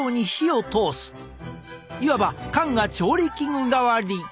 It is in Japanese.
いわば缶が調理器具代わり。